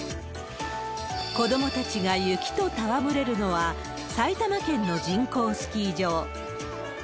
子どもたちが雪と戯れるのは、埼玉県の人工スキー場。